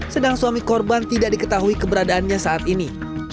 sedang suami korban tidak diketahui keberadaannya saat ini